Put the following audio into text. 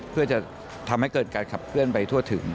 เพื่อจะทำให้เกิดการขับเคลื่อนไปทั่วถึง